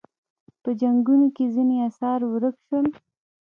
په جنګونو کې ځینې اثار ورک شول